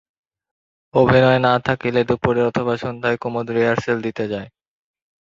অভিনয় না থাকিলে দুপুরে অথবা সন্ধ্যায় কুমুদ রিহার্সেল দিতে যায়।